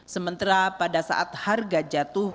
sementara pada saat harga jatuh